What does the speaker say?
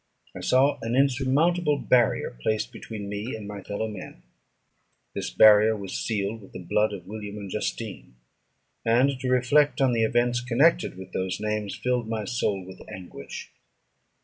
I saw an insurmountable barrier placed between me and my fellow men; this barrier was sealed with the blood of William and Justine; and to reflect on the events connected with those names filled my soul with anguish.